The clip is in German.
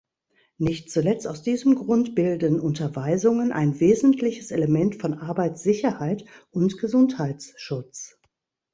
Nicht zuletzt aus diesem Grund bilden Unterweisungen ein wesentliches Element von Arbeitssicherheit und Gesundheitsschutz.